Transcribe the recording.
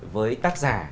với tác giả